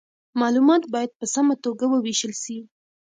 معلومات باید په سمه توګه وویشل سي.